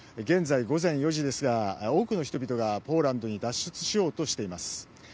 現在、午前４時ですが多くの人々がポーランドに脱出しようとしています。